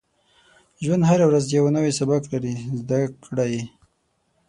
• ژوند هره ورځ یو نوی سبق لري، زده کړه یې.